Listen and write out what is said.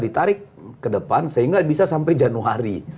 ditarik ke depan sehingga bisa sampai januari